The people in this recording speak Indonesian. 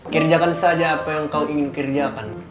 kirjakan saja apa yang kau ingin kirjakan